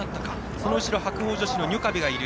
その後ろに白鵬女子のニョカビがいる。